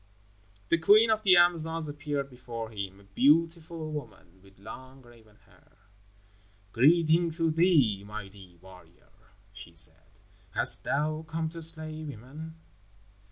The queen of the Amazons appeared before him, a beautiful woman, with long raven hair. "Greeting to thee, mighty warrior," she said. "Hast thou come to slay women?"